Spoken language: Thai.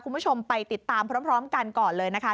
คุณผู้ชมไปติดตามพร้อมกันก่อนเลยนะคะ